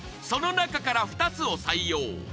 その中から２つを採用